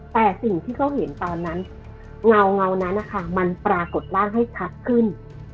แต่สิ่งที่เขาเห็นตอนนั้นเงานั้นนะคะมันปรากฏร่างให้ชัดขึ้น